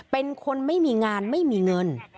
เป็นคนไม่มีงานไม่มีเงิน